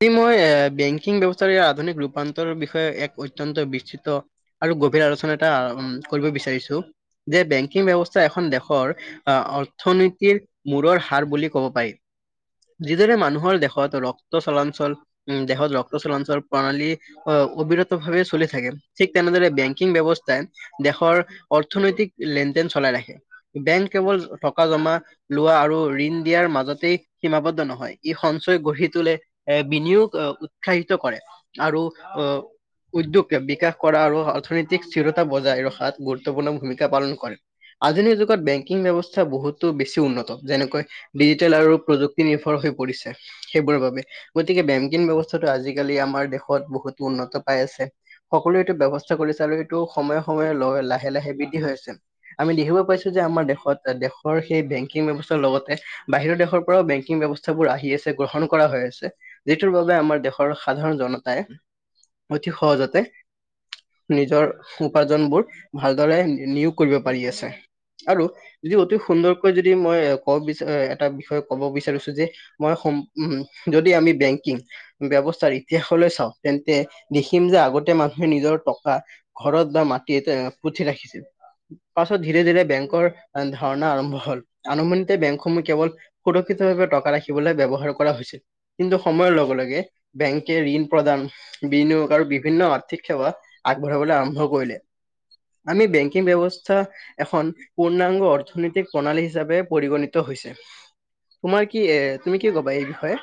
কি মই এ, বেংকিং ব্যৱস্থাৰে ইয়াৰ আধুনিক ৰূপান্তৰৰ বিষয়ে এক অত্যন্ত বিস্তৃত আৰু গভীৰ আলোচনা এটা আ, উম, কৰিব বিচাৰিছোঁ যে বেংকিং ব্যৱস্থা এখন দেশৰ আ, অৰ্থনীতিৰ মূৰৰ হাৰ বুলি ক'ব পাৰি। যিদৰে মানুহৰ দেশত ৰক্ত চলাঞ্চল উ, দেশত ৰক্ত চলাঞ্চল প্ৰণালী হয় অবিৰত ভাৱে চলি থাকে ঠিক তেনেদৰে বেংকিং ব্যৱস্থাই দেশৰ অৰ্থনৈতিক লেনদেন চলাই ৰাখে। বেংক কেৱল টকা জমা লোৱা আৰু ঋণ দিয়াৰ মাজতেই সীমাবদ্ধ নহয় ই সঞ্চয় গঢ়ি তোলে। এ, বিনিয়োগ অ' উৎসাহিত কৰে আৰু অ' উদ্যোগ বিকাশ কৰা আৰু অৰ্থনৈতিক স্থিৰতা বজাই ৰখাত গুৰুত্বপূৰ্ণ ভূমিকা পালন কৰে। আধুনিক যুগত বেংকিং ব্যৱস্থা বহুতো বেছি উন্নত যেনেকৈ ডিজিটেল আৰু প্ৰযুক্তি নিৰ্ভৰ হৈ পৰিছে সেইবোৰৰ বাবে। গতিকে বেংকীং ব্যৱস্থাটো আজিকালি আমাৰ দেশত বহুতো উন্নত পাই আছে। সকলোৱে এইটো ব্যৱস্থা কৰিছে আৰু এইটো সময়ে সময়ে ল লাহে লাহে বৃদ্ধি হৈ আছে। আমি দেখিব পাইছোঁ যে আমাৰ দেশত এ, দেশৰ সেই বেংকিং ব্যৱস্থাৰ লগতে বাহিৰৰ দেশৰ পৰাও বেংকিং ব্যৱস্থাবোৰ আহি আছে, গ্ৰহণ কৰা হৈ আছে। যিটোৰ বাবে আমাৰ দেশৰ সাধাৰণ জনতাই অতি সহজতে নিজৰ উপাৰ্জনবোৰ ভালদৰে নি-নিয়োগ কৰিব পাৰি আছে আৰু যদি অতি সুন্দৰকৈ যদি মই এ, ক'ব বিচ এ, এটা বিষয়ে ক'ব বিচাৰিছোঁ যে মই সম উম, যদি আমি বেংকিং ব্যৱস্থাৰ ইতিহাসলৈ চাওঁ তেন্তে দেখিম যে আগতে মানুহে নিজৰ টকা ঘৰত বা মাটিত এ, পুথি ৰাখিছিল। পাছত ধীৰে ধীৰে বেংকৰ ধাৰণা আৰম্ভ হ'ল, আৰম্ভণিতে বেংকসমূহ কেৱল সুৰক্ষিতভাৱে টকা ৰাখিবলৈ ব্যৱহাৰ কৰা হৈছিল কিন্তু সময়ৰ লগে লগে বেংকে ঋণ প্ৰদান বিনিয়োগ আৰু বিভিন্ন আৰ্থিক সেৱা আগবঢ়াবলৈ আৰম্ভ কৰিলে। আমি বেংকিং ব্যৱস্থা এখন পূৰ্ণাংগ অৰ্থনৈতিক প্ৰণালী হিচাপে পৰিগণিত হৈছে। তোমাৰ কি এ, তুমি কি ক'বা এই বিষয়ে?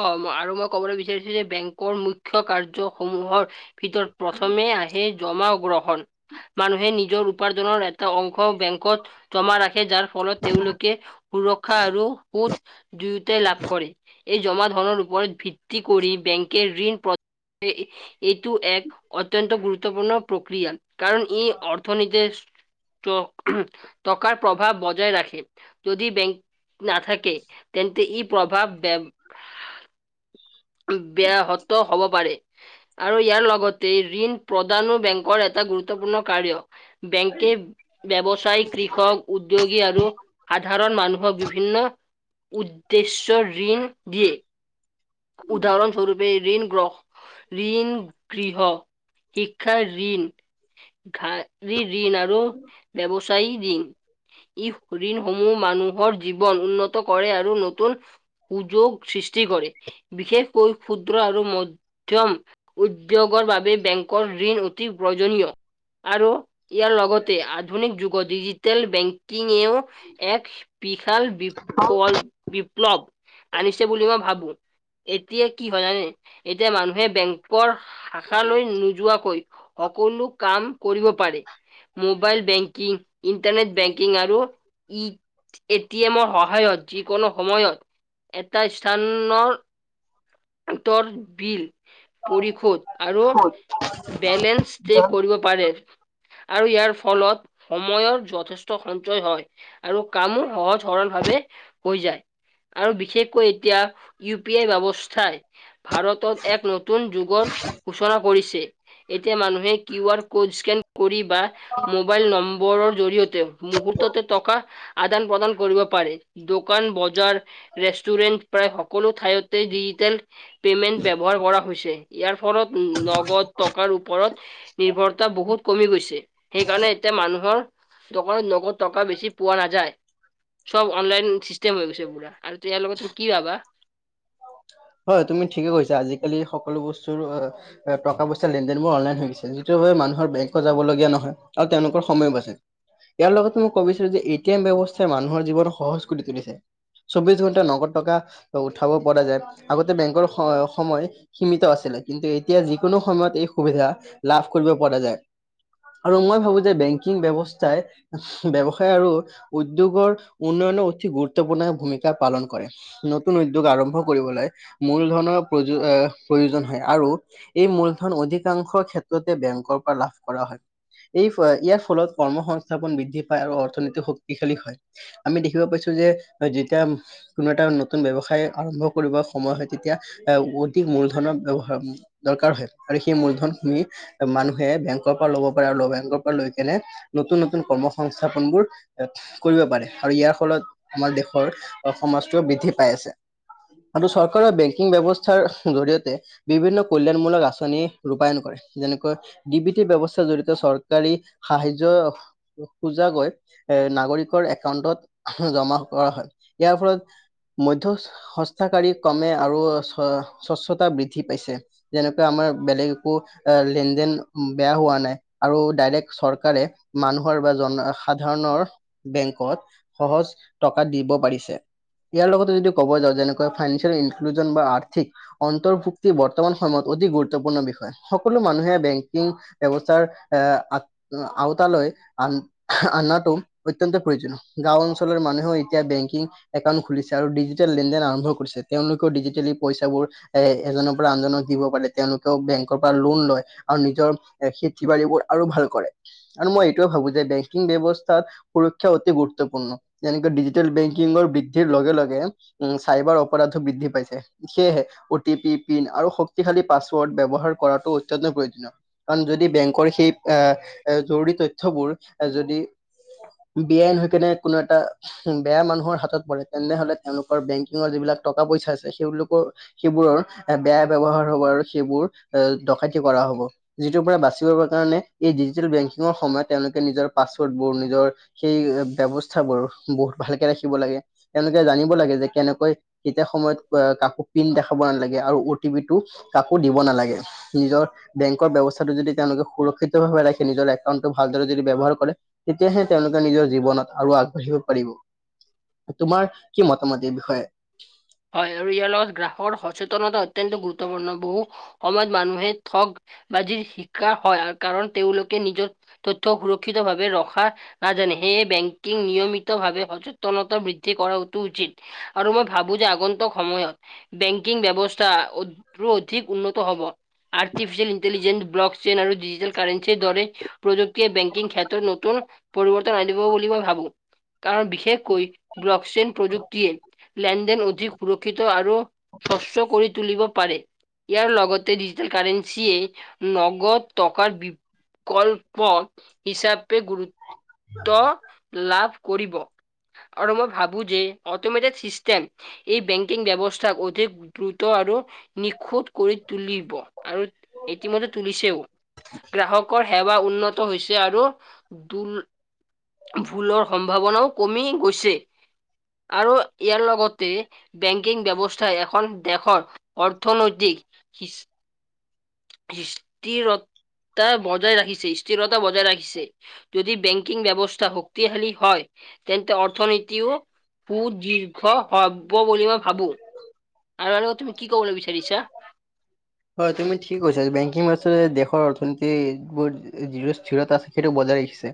অ' আৰু মই ক'বলৈ বিচাৰিছোঁ যে বেংকৰ মূখ্য কাৰ্যসমূহৰ ভিতৰত প্ৰথমে আহে জমা গ্ৰহণ। মানুহে নিজৰ উপাৰ্জনৰ এটা অংশ বেংকত জমা ৰাখে যাৰ ফলত তেওঁলোকে সুৰক্ষা আৰু সুদ দুয়োটাই লাভ কৰে। এই জমা ধনৰ ওপৰত ভিত্তি কৰি বেংকে ঋণ প্ৰ এইটো এক অত্যন্ত গুৰুত্বপূৰ্ণ প্ৰক্ৰিয়া। কাৰণ ই' অৰ্থ নিতিৰ টকাৰ প্ৰভাৱ বজাই ৰাখে, যদি বেংক নাথাকে তেন্তে ই' প্ৰভাৱ বেয়া শব্দ হ'ব পাৰে। ইয়াৰ লগতে ঋণ প্ৰদানো বেংকৰ এটা গুৰুত্বপূৰ্ণ কাৰ্য। বেংকে ব্যৱসায়ী কৃষক উদ্যোগী আৰু সাধাৰণ মানুহক বিভিন্ন উদ্দেশ্যয় ঋণ দিয়ে। উদাহৰণ স্বৰপে, ঋণ গ্ৰহ ঋণ গৃহ, শিক্ষাৰ ঋণ ঘাৰী ঋণ, আৰু ব্যৱসায়ী ঋণ। ই' ঋণসমূহ মানুহৰ জীৱন উন্নত কৰে আৰু নতুন সুযোগ সৃষ্টি কৰে। বিশেষকৈ ক্ষুদ্ৰ আৰু মধ মধ্যম উদ্যোগৰ বাবে বেংকৰ ঋণ অতি প্ৰয়োজনীয়, আৰু ইয়াৰ লগতে আধুনিক যুগত ডিজিটেল বেংক কিঙও এক বিশাল বিকল- বিপ্লৱ আনিছে বুলি মই ভাবো। এতিয়া কি হয় জানে, এতিয়া মানুহে বেংকৰ শাখালৈ নোযোৱাকৈ সকলো কাম কৰিব পাৰে। মোবাইল বেংকিং, ইণ্টাৰনেট বেংকিং আৰু ই' এটি এমৰ সহায়ত, যিকোনো সময়ত এটা স্থানৰ বিল পৰিশোধ আৰু বেলেঞ্চে কৰিব পাৰে। আৰু ইয়াৰ ফলত সময়ৰ যথেষ্ট সঞ্চয় হয়। আৰু কামো সহজ সৰল ভাৱে হৈ যায়। আৰু বিশেষকৈ এতিয়া ইউ পি আই ব্যৱস্থা চাই ভাৰতত এক নতুন যুগৰ ঘোষণা কৰিছে। এতিয়া মানুহে কিউ আৰ ক'ড স্কেন কৰি বা মোবাইল নম্বৰৰ জৰিয়তে, মুহূৰ্ততে টকা আদান-প্ৰদান কৰিব পাৰে। দোকান, বজাৰ, ৰেষ্টুৰেণ্ট প্ৰায় সকলো ঠাইতে ডিজিটেল পে'মেন্ট ব্যৱহাৰ কৰা হৈছে, ইয়াৰ ফলত লগত টকাৰ ওপৰত নিৰ্ভৰতা বহুত কমি গৈছে, সেইকাৰণে এতিয়া মানুহৰ দোকানত নগদ টকা বেছি পোৱা নাযায়। চব অনলাইন চিষ্টেম হৈ গৈছে পুৰা, আৰু তে ইয়াৰ লগত তুমি কি ভাবা? হয়', তুমি ঠিকে কৈছা, আজিকালি সকলো বস্তুৰ টকা পইচা লেন দেন বোৰ অনলাইন হৈ যিটো ভাবে মানুহৰ বেংকত যাব লগীয়া নহয়, আৰু তেওঁলোকৰ সময়ো বাছে। ইয়াৰ লগতে মই কবিছিলো যে এ' টি এম ব্যৱস্থাই মানুহৰ জীৱন সহজ কৰি তুলিছে। চৌবিশ ঘন্টাত নগদ টকা উঠাব পৰা যায়, আগতে বেংকৰ সময় সীমিত আছিলে, কিন্তু এতিয়া যিকোনো সময়ত এই সুবিধা লাভ কৰিব পৰা যায়। আৰু মই ভাবো যে বেংকিং ব্যৱস্থাই ব্যৱসায় আৰু উদ্যোগৰ উন্নয়নৰ অতি গুৰুত্বপূৰ্ণ ভূমিকা পালন কৰে। নতুন উদ্যোগ আৰম্ভ কৰিবলৈ, মূল ধনৰ প্ৰয়োজ আহ প্ৰয়োজন হয় আৰু এই মূলধন অধিকাংশৰ ক্ষেত্ৰতে বেংকৰ পৰা লাভ কৰা হয়। এই ফয় ইয়াৰ ফলত কৰ্ম সংস্থাপন বৃদ্ধি পায় আৰু অৰ্থনীতি শক্তিশালী হয়। আমি দেখিব পাইছো যে, যেতিয়া কোনো এটা নতুন ব্যৱসায় আৰম্ভ কৰিব সময় হয় তেতিয়া এ' অধিক মূলধনৰ ব্যৱহাৰ দৰকাৰ হয়, আৰু সেই মূলধন তুমি মানুহে বেংকৰ পৰা ল'ব পাৰে আৰু বেংকৰ পৰা লৈ কেনে নতুন নতুন কৰ্ম সংস্থাপনবোৰ কৰিব পাৰে আৰু ইয়াৰ ফলত আমাৰ দেশৰ সমাজটোও বৃদ্ধি পাই আছে। আৰু চৰকাৰৰ বেংকিং ব্যৱস্থাৰ জৰিয়তে, বিভিন্ন কল্যাণমূলক আঁচনি ৰূপায়ন কৰে, যেনেকৈ ডি বি টি ব্যৱস্থা জড়িয়তে চৰকাৰী সাহাৰ্য্য বুজা গৈ এ নাগৰিকৰ এক একাউটত জমা কৰা হয়, ইয়াৰ ফলত মধ্য স মধ্যস্থতাকাৰী কৰ্মে আৰু স্বচ্ছতা বৃদ্ধি পাইছে। যেনেকা আমাৰ বেলেগ একো লেন-দেন বেয়া হোৱা নাই। আৰু ডাইৰেক্ট চৰকাৰে মানুহৰ বা জনসাধাৰণৰ বেংকত সহজ টকা দিব পাৰিছে, ইয়াৰ লগতে যদি কব যাওঁ যেনে কৈ ফাইনেঞ্চিয়েল ইনক্লুজন বা আৰ্থিক অন্তৰ্ভুক্তি বৰ্তমান সময়ত অতি গুৰুত্বপূৰ্ণ বিষয় সকলো মানুহে বেংকিং ব্যৱস্থাৰ এ আগ আওতালৈ আন আহ আনাটো অত্যন্ত প্ৰয়োজন গাঁও অঞ্চলৰ মানুহেও এতিয়া বেংকিং একাউণ্ট খুলিছে আৰু ডিজিটেল লেনদেন আৰম্ভ কৰিছে, তেওঁলোকও ডিজিটেলি পইচাবোৰ এ এজনৰ পৰা আনজনক দিব পাৰে, তেওঁলোকেও বেংকৰ পৰা লোন লয়। আৰু নিজৰ খেতি-বাঢ়িবোৰ আৰু ভাল কৰে আৰু মই এইটোও ভাবো যে বেংকিং ব্যৱস্থাত সুৰক্ষা অতি গুৰুত্বপূৰ্ণ, যেনেকে ডিজিটেল বেংকিংৰ বৃদ্ধিৰ লগে লগে উম চাইবাৰ অপৰাধি বৃদ্ধি পাইছে। সেয়েহে অ' টি পি পিন আৰু শক্তিশালী পাছৱৰ্ড ব্যৱহাৰ কৰাটো অত্যন্ত প্ৰয়োজনীয়। কাৰণ যদি বেংকৰ সেই এ জৰুৰী তথ্যবোৰ যদি বে-আইন হৈ কেনে কোনো এটা বেয়া মানুহৰ হাতত পৰে তেনেহ'লে তেওঁলোকৰ বেংকিঙৰ টকা- পইচা আছে, তেওঁলোকৰ সেইবোৰৰ বেয়া ব্যৱহাৰ হব আৰু সেইবোৰ অ ডকাইতি কৰা হব। যিটোৰ পৰা বাচিবৰ কাৰণে এই ডিজিটেল বেংকিঙৰ সময়ত তেওঁলোকে নিজৰ পাছৱৰ্ডবোৰ নিজৰ সেই ব্যৱস্থাবোৰৰ বহুত ভালকে ৰাখিব লাগে, তেওঁলোকে জানিব লাগে যে কেনেকৈ তেতিয়া সময়ত কাকো পিন দেখাব নালাগে আৰু অ টি পি টো কাকো দিব নালাগে। নিজৰ বেংকৰ ব্যৱস্থাটো যদি তেওঁলোকে সুৰক্ষিতভাৱে ৰাখে, নিজৰ একাউণ্টটো ভালদৰে যদি ব্যৱহাৰ কৰে, তেতিয়াহে তেওঁলোকে নিজৰ জীৱনত আৰু আগ বাঢ়িব পাৰিব। তোমাৰ কি মতামত এই বিষয়ে হয় আৰু ইয়াৰ লগত গ্ৰাহকৰ সচেতনতা অত্যন্ত গুৰুত্বপূৰ্ণ, বহু সময়ত মানুহে ঠগ বাজিৰ চিকাৰ হয় আৰু কাৰণ তেওঁলোকে নিজৰ তথ্য সুৰক্ষিত ভাৱে ৰখা নাজানে, সেয়ে বেংকিং নিয়মিতভাৱে সচেতনতা বৃদ্ধি কৰাটো উচিত। আৰু মই ভাবো যে আগন্তক সময়ত বেংকিং ব্যৱস্থা অটো অধিক উন্নত হব। আৰ্তিফিচিয়েল ইণ্টেলিজেন্ঞ্চ, ব্লক চেইন আৰু ডিজিটেল কাৰেঞ্চিৰ দৰে প্ৰযুক্তিয়ে বেংকিং ক্ষেত্ৰত নতুন পৰিৱৰ্তন আনিব বুলি মই ভাবোঁ। কাৰণ বিশেষকৈ ব্লকছেন প্ৰযুক্তিয়ে প্লেন যেন অধিক সুৰক্ষিত আৰু স্বচ্ছ কৰি তুলিব পাৰে ইয়াৰ লগতে ডিজিটেল কাৰেন্সিয়ে নগদ টকাৰ বিকল্প হিচাপে গুৰু ত্ব, লাভ কৰিব আৰু মই ভাবো যে অট'মেটিক চিষ্টেম এই বেঙ্ককিং ব্যৱস্থাক অধিক দ্ৰুত আৰু নিখুঁত কৰি তুলিব, আৰু ইতিমধ্যে তুলিছেও। গ্ৰাহকৰ সেৱা উন্নত হৈছে আৰু, দূল- ভুলৰ সম্ভাৱনাও কমি গৈছে। আৰু ইয়াৰ লগত তে, বেঙ্ককিং ব্যৱস্থা এখন দেশত অৰ্থনৈতিক সিশ স্থিৰতা বজাই ৰাখিছে স্থিৰতা বজাই ৰাখিছে। যদি বেঙ্ককিং ব্যৱস্থা শক্তিশালী হয়, তেন্তে অৰ্থনীতিও সুদীৰ্ঘ হ'ব বুলি মই ভাবোঁ। আৰু, আৰু তুমি কি ক'বলে বিচাৰিছা? হয়, তুমি ঠিক কৈছা বেঙ্ককিং আচলতে দেশৰ অৰ্থনীতিবোৰ যিটো স্থিৰতা আছে সেইটো বজাই ৰাখিছে।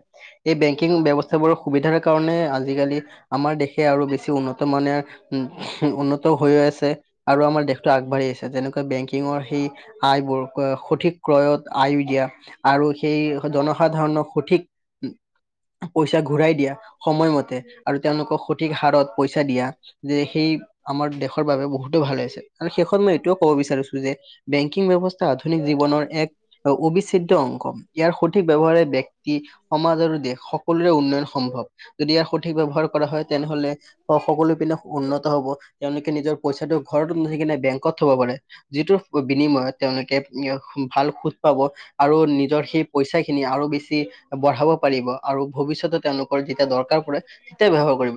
এই বেঙ্ককিং ব্যৱস্থা বোৰৰ সুবিধাৰ কাৰণে আজিকালি আমাৰ দেশে আৰু বেছি উন্নত মানে, উ-উন্নত হৈ আছে। আৰু আমাৰ দেশটো আগবাঢ়ি আহিছে। যেনেকুৱা বেঙ্ক কিঙৰ সেই আইবোৰ সঠিক ক্ৰয়ত আয় দিয়া আৰু সেই জনসাধাৰণক সঠিক পইচা ঘূৰাই দিয়া সময়মতে, আৰু তেওঁলোকক সঠিক হাৰত পইচা দিয়া। যে সেই আমাৰ দেশৰ বাবে বহুতো ভাল হৈছে। আৰু শেষত মই এইটোয়ও ক'ব বিচাৰিছোঁ যে বেঙ্ককিং ব্যৱস্থা আধুনিক জীৱনৰ এক অবিচ্ছেদ্য অংগ, ইয়াৰ সঠিক ব্যৱহাৰে ব্যক্তি সমাজ আৰু দেশ সকলোৰে উন্নয়ন সম্ভৱ। যদি ইয়াৰ সঠিক ব্যৱহাৰ কৰা হয় তেনেহলে সকলো বিলাক উন্নত হ'ব। তেওঁলোকে নিজৰ পইচাটো ঘৰতো নথই কিনে বেংকত থব পাৰে। যিটোৰ বিনিময়ত তেওঁলোকে ভাল সুদ পাব। আৰু নিজৰ সেই পইচা খিনি আৰু বেছি বঢ়াব পাৰিব, আৰু ভৱিষ্যতে তেওঁলোকৰ যেতিয়া দৰকাৰ পৰে তেতিয় ব্যৱহাৰ কৰিব।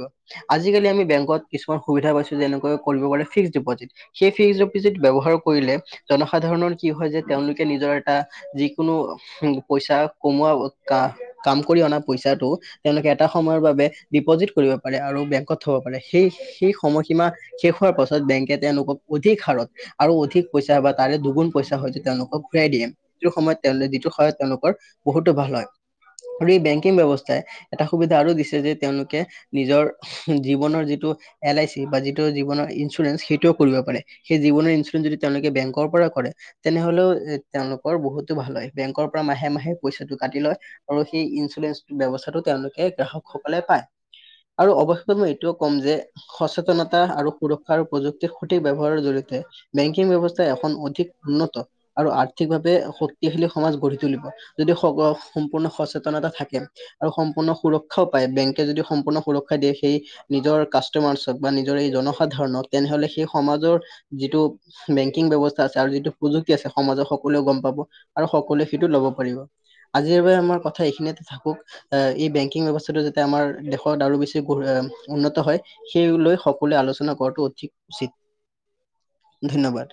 আজিকালি আমি বেংকত কিছুমান সুবিধা পাইছোঁ যেনেকৈ কৰিব পাৰে ফিক্সডিপজিট। সেই ফিক্সডিপজিট ব্যৱহাৰ কৰিলে জনসাধাৰণৰ কি হয় যে তেওঁলোকে নিজৰ এটা যিকোনো উম, পইচা কমোৱা কা-কাম কৰি অনা পইচাটো, তেওঁলোকে এটা সম তোমাৰ বাবে ডিপ'জিট কৰিব পাৰে আৰু বেংকত থব পাৰে। সেই সেই সময়সীমা শেষ হোৱাৰ পাছত বেংকে তেওঁলোকক অধিক হাৰত আৰু অধিক পইচা বা তাৰে দুগুণ পইচা হয়টো তেওঁলোকক ঘূৰাই দিয়ে। যিটোৰ সময়ত তেওঁলো যিটোৰ সময়ত তেওঁলোকৰ বহুতো ভাল হয়। আৰু এই বেংকিং ব্যৱস্থাই এটা সুবিধা আৰু দিছে যে তেওঁলোকে নিজৰ জীৱনৰ যিটো এল আই চি, বা যিটো জীৱনৰ ইঞ্চুৰেঞ্চ সেইটোৱও কৰিব পাৰে। সেই জীৱনৰ ইঞ্চুৰেঞ্চ যদি তেওঁলোকে বেংকৰ পৰা কৰে তেনেহলেও এ, তেওঁলোকৰ বহুতো ভাল হয়। বেংকৰ পৰা মাহে মাহে পইচাটো কাটি লয় আৰু সেই ইঞ্চুৰেঞ্চ ব্যৱস্থাটো তেওঁলোকে গ্ৰাহকসকলে পায়। আৰু অৱশেষত মই এইটোও ক'ম যে সচেতনতা আৰু সুৰক্ষা আৰু প্ৰযুক্তিৰ সঠিক ব্যৱহাৰৰ জৰিয়তে বেংকিং ব্যৱস্থাই এখন অধিক উন্নত আৰু আৰ্থিকভাৱে শক্তিশালী সমাজ গঢ়ি তুলিব। যদি সগ-সম্পূৰ্ণ সচেতনতা থাকে, আৰু সম্পূৰ্ণ সুৰক্ ক্ষ পায়, বেংকে যদি সম্পূৰ্ণ সুৰক্ষা দিয়ে সেই নিজৰ কাষ্টমাৰ্চক বা নিজৰ এই জনসাধাৰণক তেনেহলে সেই সমাজৰ যিটো বেংকিং ব্যৱস্থা আছে আৰু যিটো প্ৰযুক্তি আছে সমাজত সকলোৱে গম পাব আৰু সকলোৱে সেইটো ল'ব পাৰিব। আজিৰ বাবে আমাৰ কথা এইখিনিযতে থাকক। এই বেংকিং ব্যৱস্থাটো যাতে আমাৰ দেশত আৰু বেছি উন্নত হয় সেই লৈ সকলোৱে আলোচনা কৰাতো অধিক উচিত। ধন্যবাদ।